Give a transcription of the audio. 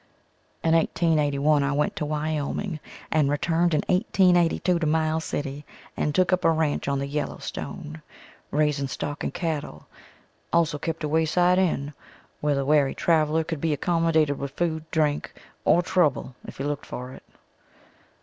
In 1881 I went to Wyoming and returned in 1882 to Miles city and took up a ranch on the Yellow Stone, raising stock and cattle, also kept a way side inn, where the weary traveler could be accommodated with food, drink, or trouble if he looked for it.